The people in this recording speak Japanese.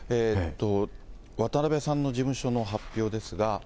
渡辺さんの事務所の発表ですが。